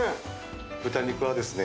豚肉はですね